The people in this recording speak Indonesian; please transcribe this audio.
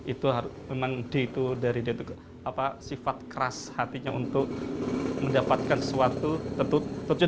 itu memang dari d itu sifat keras hatinya untuk mendapatkan sesuatu